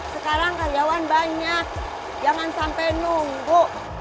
sekarang karyawan banyak jangan sampai nunggu